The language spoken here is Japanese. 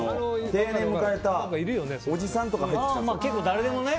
定年を迎えたおじさんとか。